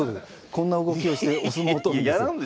こんな動きをしてお相撲を取るんです。